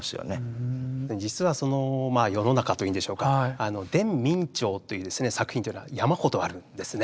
実はその世の中と言うんでしょうか「伝明兆」という作品というのは山ほどあるんですね。